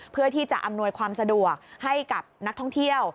เพื่อที่จะอำนวยความสะดวกให้กับนักท่องเที่ยว